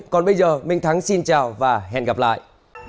còn bây giờ minh thắng xin chào và hẹn gặp lại